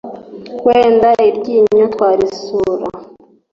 wenda iryinyo twarisura